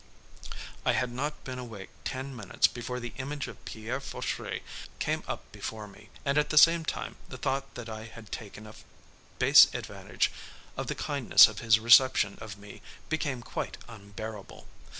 I had not been awake ten minutes before the image of Pierre Fauchery came up before me, and at the same time the thought that I had taken a base advantage of the kindness of his reception of me became quite unbearable.